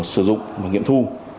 sử dụng và nghiệm thu